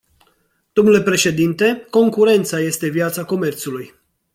Domnule președinte, concurența este viața comerțului.